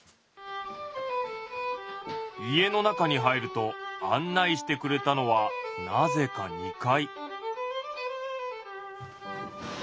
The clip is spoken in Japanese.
家の中に入ると案内してくれたのはなぜか２階。